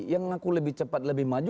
yang ngaku lebih cepat lebih maju